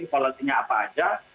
evaluasinya apa saja